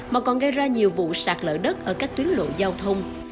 mà còn gây ra nhiều vụ sạt lỡ đất ở các tuyến lộ giao thông